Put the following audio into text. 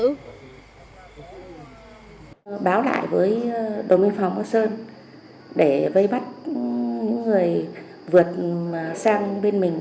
báo lại với đồn biên phòng bắc sơn để vây bắt những người vượt sang bên mình